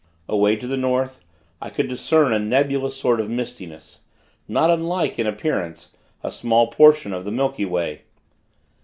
Away to the North, I could discern a nebulous sort of mistiness; not unlike, in appearance, a small portion of the Milky Way.